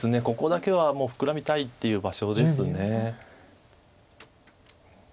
ここだけはもうフクラみたいっていう場所です。